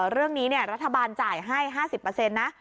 เรื่องนี้รัฐบาลจ่ายให้๕๐นะ